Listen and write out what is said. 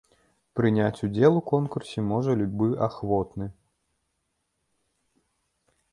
Прыняць удзел у конкурсе можа любы ахвотны.